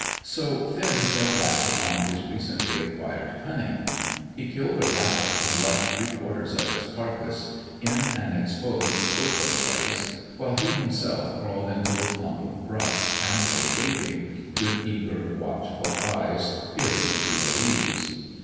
So Finn fell back upon his recently acquired cunning. He killed a rabbit, and left three quarters of its carcase in an exposed, open place, while he himself crawled into a clump of brush and lay waiting, with eager, watchful eyes peering through the leaves.